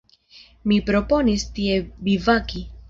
Mi proponis tie bivaki.